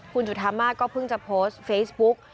คุณจุธามาสก็เพิ่งจะโพสต์เฟซบุ๊ก